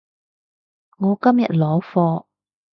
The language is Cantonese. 我今日攞貨